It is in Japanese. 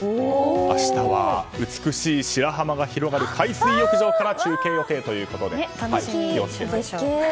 明日は美しい白浜が広がる海水浴場から中継予定ということで。